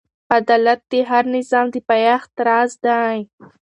عدالت د هر نظام د پایښت راز دی.